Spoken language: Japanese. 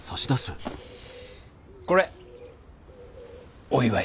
これお祝い。